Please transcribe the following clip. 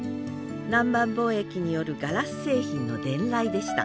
南蛮貿易によるガラス製品の伝来でした。